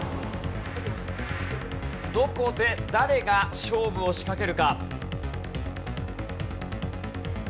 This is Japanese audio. どこで誰が勝負を仕掛けるか。